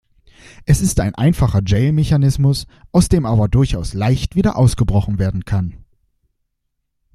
Es ist ein einfacher Jail-Mechanismus, aus dem aber durchaus leicht wieder ausgebrochen werden kann.